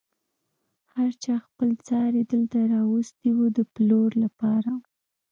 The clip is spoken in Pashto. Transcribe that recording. هر چا خپل څاری دلته راوستی و د پلور لپاره.